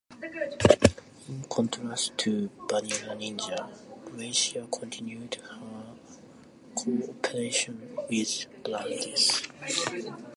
In contrast to Vanilla Ninja, Gracia continued her co-operation with Brandes.